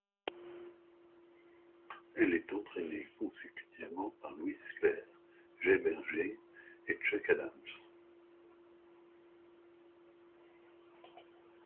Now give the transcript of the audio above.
Elle est entraînée consécutivement par Luis Clerc, Jay Berger et Chuck Adams.